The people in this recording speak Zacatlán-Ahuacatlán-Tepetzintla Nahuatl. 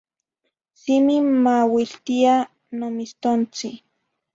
Simi mauiltia nomistontzin